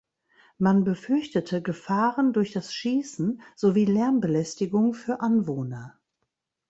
Man befürchtete Gefahren durch das Schießen sowie Lärmbelästigung für Anwohner.